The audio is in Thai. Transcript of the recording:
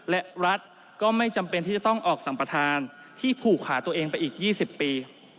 และรัฐก็ไม่จำเป็นที่จะต้องออกสัมปทานที่ผูกขาตัวเองไปอีก๒๐ปี